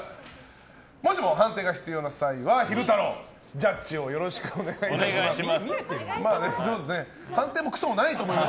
もしも判定が必要な際は昼太郎、ジャッジをよろしくお願いいたします。